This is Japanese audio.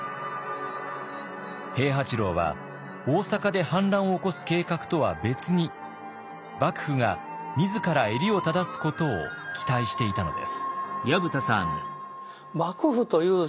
平八郎は大坂で反乱を起こす計画とは別に幕府が自ら襟を正すことを期待していたのです。